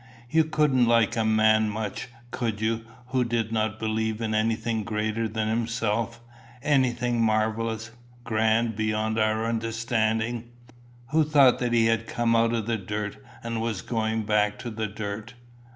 You couldn't like a man much, could you, who did not believe in anything greater than himself, anything marvellous, grand, beyond our understanding who thought that he had come out of the dirt and was going back to the dirt?"